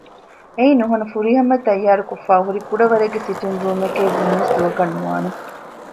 އެއީ ނުހަނު ފުރިހަމައަށް ތައްޔާރުކޮށްފައި ހުރި ކުޑަވަރެއްގެ ސިޓިންގރޫމެކޭ ބުންޏަސް ދޮގަކަށް ނުވާނެ